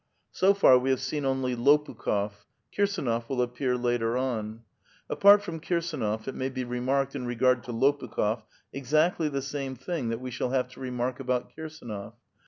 So far, we have seen only Lopukh6f ; Kirsdnof will appear later on. Apart from Kirsdnof it may be remarked in regard to Lopukh6f exactly the same thing that we shall have to remark about Kirsdnof.